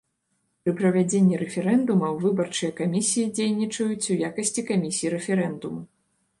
Пры правядзенні рэферэндумаў выбарчыя камісіі дзейнічаюць у якасці камісій рэферэндуму.